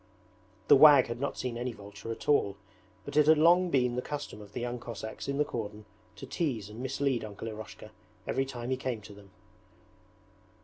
The wag had not seen any vulture at all, but it had long been the custom of the young Cossacks in the cordon to tease and mislead Uncle Eroshka every time he came to them.